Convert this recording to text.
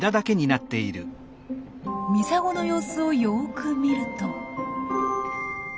ミサゴの様子をよく見ると。